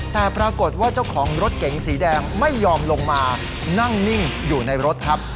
แต่ปรากฏว่าเจ้าของรถเก๋งสีแดงไม่ยอมลงมานั่งนิ่งอยู่ในรถครับ